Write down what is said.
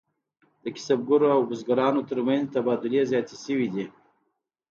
د کسبګرو او بزګرانو ترمنځ تبادلې زیاتې شوې.